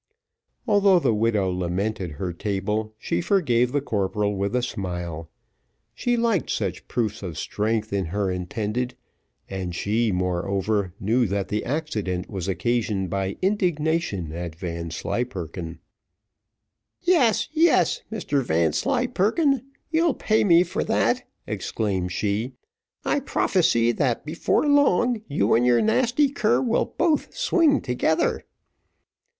Although the widow lamented her table, she forgave the corporal with a smile; she liked such proofs of strength in her intended, and she, moreover, knew that the accident was occasioned by indignation at Vanslyperken. "Yes, yes, Mr Vanslyperken, you'll pay me for that," exclaimed she; "I prophesy that before long you and your nasty cur will both swing together."